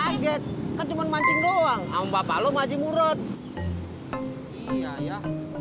hai kan cuman mancing doang ama bapak lo maji murut iya ya